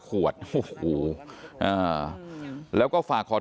ตลอดทั้งคืนตลอดทั้งคืน